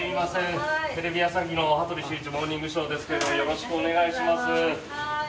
テレビ朝日の「羽鳥慎一モーニングショー」ですけどもよろしくお願いします。